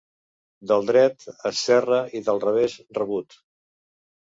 Del dret és cerra i del revés rebut.